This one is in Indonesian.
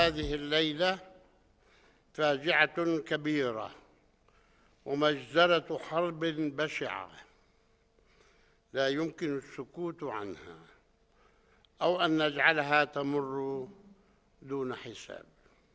tidak bisa dihentikan atau dihentikan tanpa menghentikan